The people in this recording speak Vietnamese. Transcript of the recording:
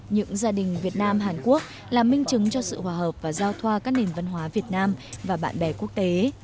những gia đình việt nam hàn quốc là minh chứng cho sự hòa hợp và giao thoa các nền văn hóa việt nam và bạn bè quốc tế